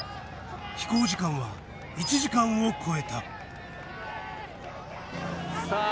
飛行時間は１時間を超えたさあ